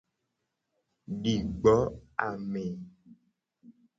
Di gbo ame.